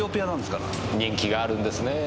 人気があるんですねぇ。